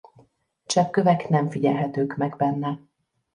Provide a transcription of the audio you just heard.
Cseppkövek nem figyelhetők meg benne.